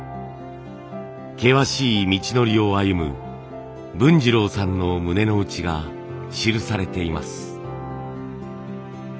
険しい道のりを歩む文次郎さんの胸の内が記されています。